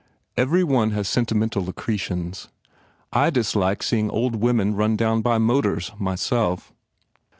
Every one has sentimental accretions. I dislike seeing old women run down by motors, myself.